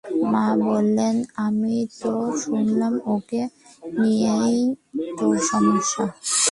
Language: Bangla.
মা বললেন, আমি তো শুনলাম ওকে নিয়েই তোর সমস্যা।